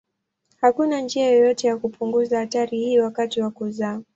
Hakuna njia yoyote ya kupunguza hatari hii wakati wa kuzaa.